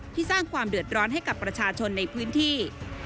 สร้างความเดือดร้อนให้กับประชาชนในพื้นที่